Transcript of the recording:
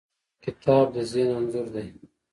کتاب د ذهن انځور دی.